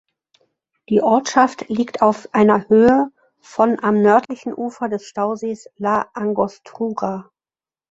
Die Ortschaft liegt auf einer Höhe von am nördlichen Ufer des Stausees La Angostura.